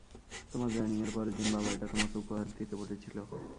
তোমার জয়েনিং এর পরের দিন, বাবা এটা তোমাকে উপহার দিতে বলেছিল।